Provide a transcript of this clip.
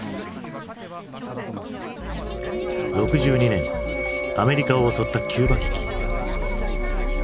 ６２年アメリカを襲ったキューバ危機。